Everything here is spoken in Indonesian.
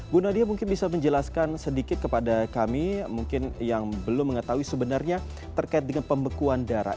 bu nadia mungkin bisa menjelaskan sedikit kepada kami mungkin yang belum mengetahui sebenarnya terkait dengan pembekuan darah